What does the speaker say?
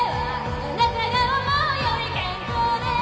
「あなたが思うより健康です」